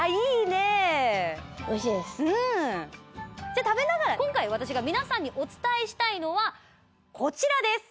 じゃあ今回皆さんにお伝えしたいのはこちらです！